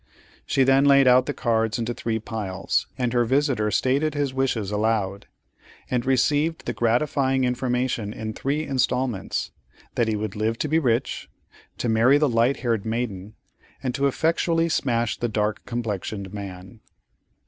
She then laid out the cards into three piles, and her visitor stated his wishes aloud, and received the gratifying information in three instalments, that he would live to be rich, to marry the light haired maiden, and to effectually smash the dark complexioned man.